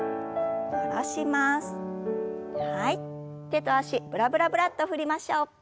手と脚ブラブラブラッと振りましょう。